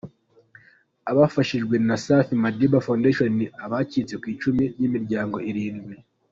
Abafashijwe na Safi Madiba Foundation ni abacitse ku icumi b’imiryango irindwi.